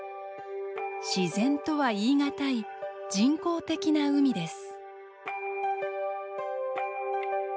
自然とは言い難い人工的な海です。